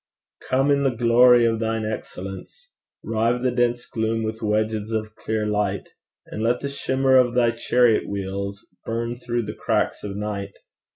'Come in the glory of thine excellence; Rive the dense gloom with wedges of clear light; And let the shimmer of thy chariot wheels Burn through the cracks of night.